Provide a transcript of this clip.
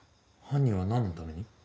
犯人は何のために？